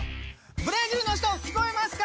ブラジルの人聞こえますか？